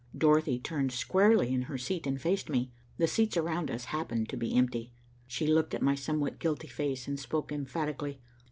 Dorothy turned squarely in her seat and faced me. The seats around us happened to be empty. She looked at my somewhat guilty face and spoke emphatically.